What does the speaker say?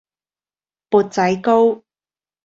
砵仔糕